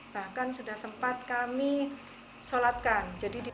bahkan sudah sempat kami solatkan